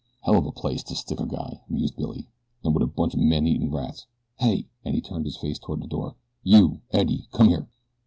"Helluva place to stick a guy," mused Billy, "in wit a bunch o' man eatin' rats. Hey!" and he turned his face toward the door. "You, Eddie! Come here!"